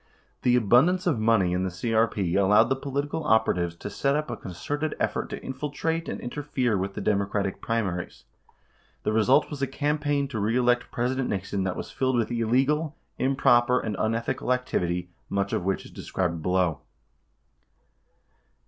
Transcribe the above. The abun dance of money in the CEP allowed the political operatives to set up a concerted effort to infiltrate and interfere with the Democratic primaries. The result was a campaign to reelect President Nixon that was filled with illegal, improper, and unethical activity, much of which is described below.